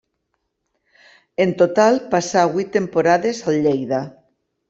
En total passà vuit temporades al Lleida.